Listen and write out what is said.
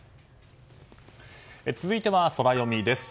続いてはソラよみです。